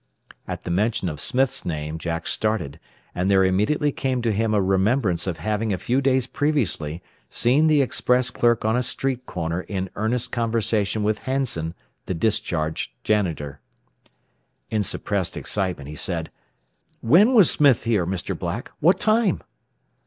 At the mention of Smith's name Jack started, and there immediately came to him a remembrance of having a few days previously seen the express clerk on a street corner in earnest conversation with Hansen, the discharged janitor. In suppressed excitement he asked, "When was Smith here, Mr. Black? What time?"